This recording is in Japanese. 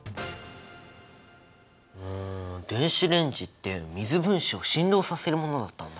電子レンジって水分子を振動させるものだったんだ。